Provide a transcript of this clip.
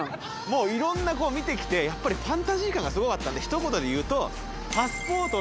もういろんなこう見て来てやっぱりファンタジー感がすごかったんでひと言で言うと。